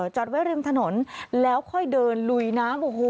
จอดไว้ริมถนนแล้วค่อยเดินลุยน้ำโอ้โห